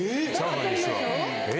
え。